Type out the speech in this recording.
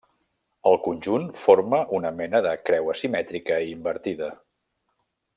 El conjunt forma una mena de creu asimètrica i invertida.